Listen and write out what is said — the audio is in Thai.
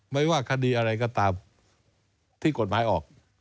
ไม่ว่าคดีอะไรก็ตามที่กฎหมายออก